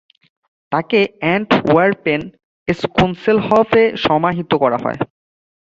তাকে অ্যান্টওয়ারপেন স্কোন্সেলহফ এ সমাহিত করা হয়।